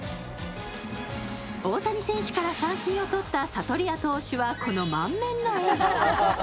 大谷選手から三振をとったサトリア投手はこの満面の笑顔。